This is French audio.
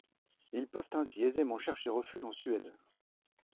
Ils peuvent ainsi aisément chercher refuge en Suède.